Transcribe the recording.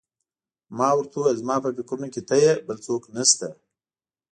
ما ورته وویل: زما په فکرونو کې ته یې، بل څوک نه شته.